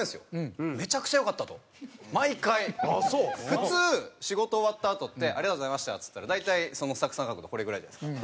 普通仕事終わったあとって「ありがとうございました」っつったら大体そのスタッフさん方もこれぐらいじゃないですか。